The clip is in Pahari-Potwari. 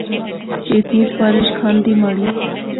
کہ اتنی سفارش کھان دی مہاڑی؟